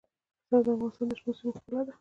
انار د افغانستان د شنو سیمو ښکلا ده.